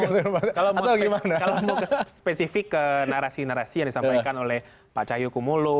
nah makanya kalau mau spesifik ke narasi narasi yang disampaikan oleh pak cahyo kumolo